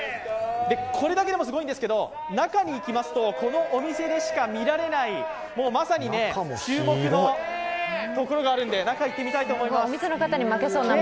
これだけでもすごいんですけど中に行きますとこのお店でしか見られないまさに注目のところがあるんで中行ってみたいと思います。